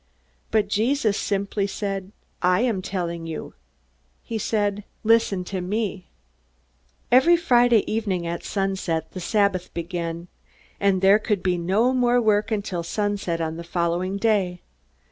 But Jesus simply said, "I am telling you." He said, "Listen to me." Every Friday evening at sunset the Sabbath began, and there could be no more work until sunset on the following day.